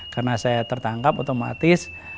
karena saya tertangkap otomatis